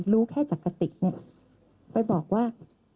รู้แค่จักรติกเนี่ยไปบอกว่า